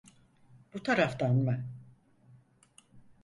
Bu taraftan mı?